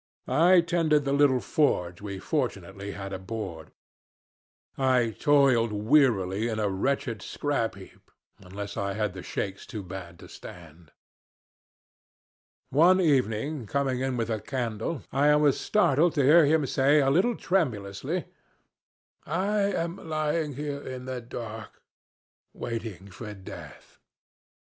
I tended the little forge we fortunately had aboard; I toiled wearily in a wretched scrap heap unless I had the shakes too bad to stand. "One evening coming in with a candle I was startled to hear him say a little tremulously, 'I am lying here in the dark waiting for death.'